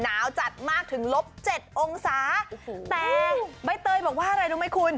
หนาวจัดมากถึงลบเจ็ดองศาแต่ใบเตยบอกว่าอะไรรู้ไหมคุณ